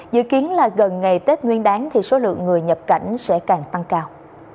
dự kiến là gần ngày tết nguyên đáng thì số lượng người nhập cảnh sẽ càng tăng cao